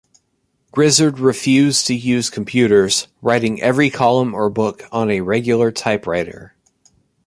Grizzard refused to use computers, writing every column or book on a regular typewriter.